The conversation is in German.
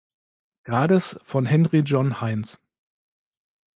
Grades von Henry John Heinz.